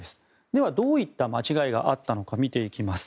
ではどういった間違いがあったのか見ていきます。